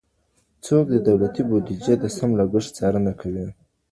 څوک د دولتي بودیجې د سم لګښت څارنه کوي؟